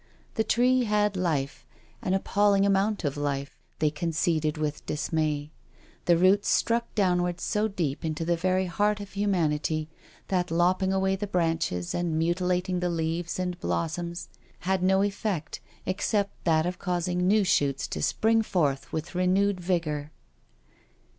*' The Tree had life, an appalling amount of life, they conceded with dismay. The roots struck downwards so deep into the very heart of humanity, that lopping away the branches and muti lating the leaves and blossoms had no effect, except that of causing new shoots to spring forth with renewed vigour.